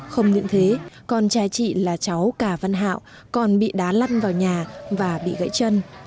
không những thế con trai chị là cháu cà văn hạo còn bị đá lăn vào nhà và bị gãy chân